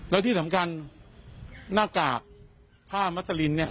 แล้วที่สำคัญหน้ากากผ้ามัสลินเนี่ย